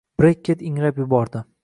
Brekket ingrab yubordi